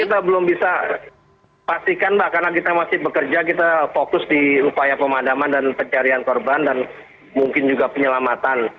kita belum bisa pastikan mbak karena kita masih bekerja kita fokus di upaya pemadaman dan pencarian korban dan mungkin juga penyelamatan